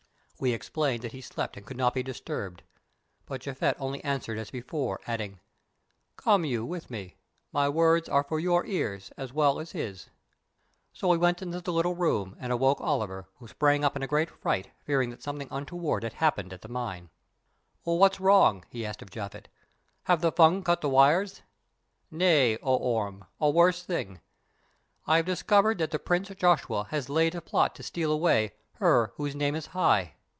We explained that he slept and could not be disturbed, but Japhet only answered as before, adding: "Come you with me, my words are for your ears as well as his." So we went into the little room and awoke Oliver, who sprang up in a great fright, thinking that something untoward had happened at the mine. "What's wrong?" he asked of Japhet. "Have the Fung cut the wires?" "Nay, O Orme, a worse thing; I have discovered that the Prince Joshua has laid a plot to steal away 'Her whose name is high.